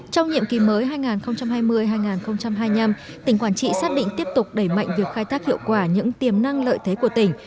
trong nhiệm ký mới hai nghìn hai mươi hai nghìn hai mươi năm tỉnh quản trị xác định tiếp tục đẩy mạnh việc khai thác hiệu quả những tiềm năng lợi thế của tỉnh